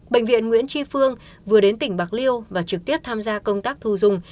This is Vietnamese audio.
bệnh viện nguyễn tri phương vừa đến tỉnh bạc liêu và trực tiếp tham gia công tác thu dung